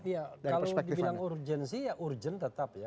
ya kalau dibilang urgensi ya urgent tetap ya